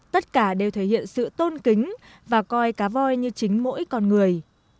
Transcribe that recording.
tất cả đều thể hiện sự tôn kính và coi cá voi như chính mỗi con người